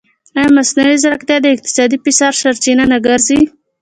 ایا مصنوعي ځیرکتیا د اقتصادي فشار سرچینه نه ګرځي؟